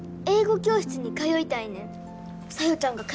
英語教室に通いたいねん。